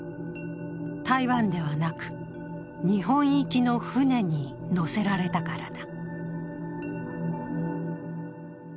台湾ではなく、日本行きの船に乗せられたからだ。